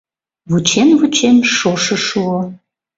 Вучен-вучен, шошо шуо.